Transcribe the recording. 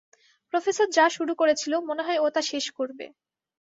Professor যা শুরু করেছিলো মনে হয় ও তা শেষ করবে।